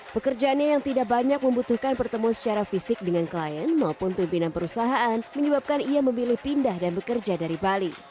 pekerjaannya yang tidak banyak membutuhkan pertemuan secara fisik dengan klien maupun pimpinan perusahaan menyebabkan ia memilih pindah dan bekerja dari bali